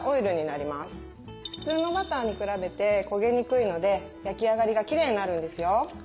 普通のバターに比べて焦げにくいので焼き上がりがきれいになるんですよ。